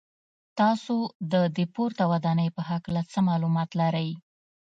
تاسو د دې پورته ودانۍ په هکله څه معلومات لرئ.